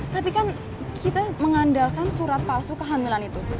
tapi kan kita mengandalkan surat palsu kehamilan itu